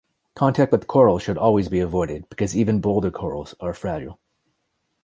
Contact with coral should always be avoided, because even boulder corals are fragile.